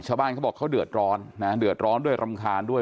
เขาบอกเขาเดือดร้อนนะเดือดร้อนด้วยรำคาญด้วย